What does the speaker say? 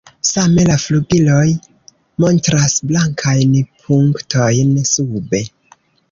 Same la flugiloj montras blankajn punktojn sube.